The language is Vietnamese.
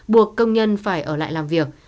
buộc công nhân phải ở lại làm việc